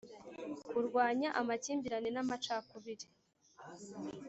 kurwanya amakimbirane n amacakubiri